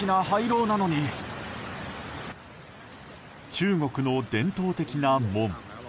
中国の伝統的な門。